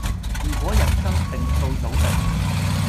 如果人生定數早定